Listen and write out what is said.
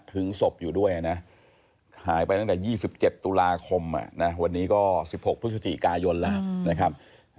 ศพอยู่ด้วยนะหายไปตั้งแต่๒๗ตุลาคมวันนี้ก็๑๖พฤศจิกายนแล้วนะครับ